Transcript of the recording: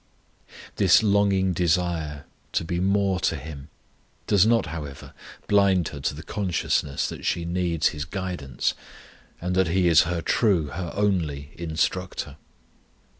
This longing desire to be more to Him does not, however, blind her to the consciousness that she needs His guidance, and that He is her true, her only Instructor.